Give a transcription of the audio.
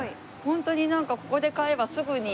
ホントになんかここで買えばすぐに。